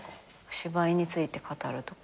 芝居について語るとか。